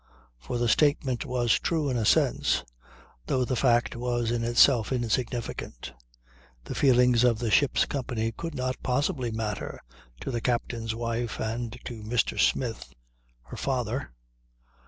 For the statement was true in a sense, though the fact was in itself insignificant. The feelings of the ship's company could not possibly matter to the captain's wife and to Mr. Smith her father.